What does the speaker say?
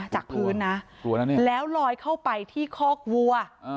จากพื้นนะเนี่ยแล้วลอยเข้าไปที่คอกวัว